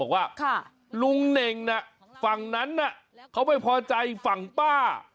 บอกว่าลุงเน่งฝั่งนั้นเขาไม่พอใจฝั่งป้า